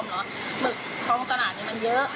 มันหมึกปลอมอะไรมันไม่คุ้มหรอก